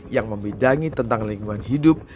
yang membidangi tentang lingkungan hidup